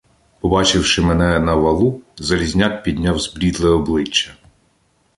Побачивши мене на валу, Залізняк підняв зблідле обличчя.